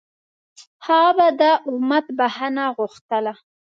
هغه به د امت بښنه غوښتله.